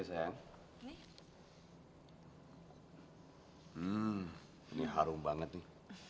hmm ini harum banget nih